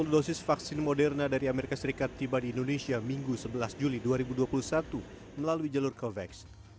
dua puluh dosis vaksin moderna dari amerika serikat tiba di indonesia minggu sebelas juli dua ribu dua puluh satu melalui jalur covax